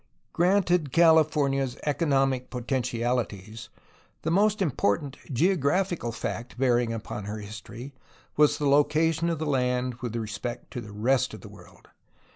Granted California's economic potentialities, the most important geographical fact bearing upon her history was the location of the land with respect to the rest of the world.